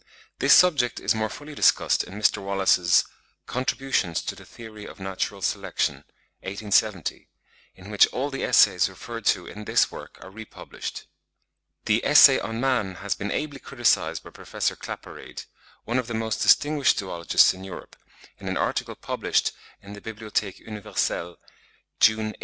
This subject is more fully discussed in Mr. Wallace's 'Contributions to the Theory of Natural Selection,' 1870, in which all the essays referred to in this work are re published. The 'Essay on Man,' has been ably criticised by Prof. Claparede, one of the most distinguished zoologists in Europe, in an article published in the 'Bibliotheque Universelle,' June 1870.